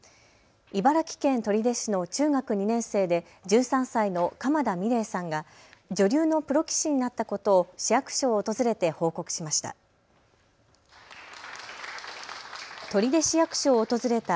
茨城県取手市の中学２年生で１３歳の鎌田美礼さんが女流のプロ棋士になったことを市役所を訪れて報告しました。